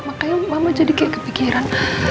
makanya mama jadi kayak kepikiran